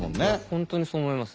本当にそう思います。